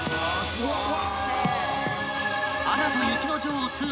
すごい。